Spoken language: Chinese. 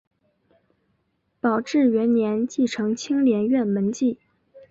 宝治元年继承青莲院门迹。